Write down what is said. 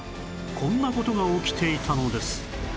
こんな事が起きていたのです